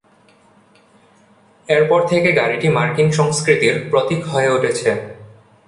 এরপর থেকে গাড়িটি মার্কিন সংস্কৃতির প্রতীক হয়ে উঠেছে।